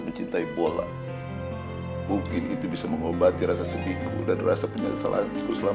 gimana kalau hutang budinya dibayar sama wajum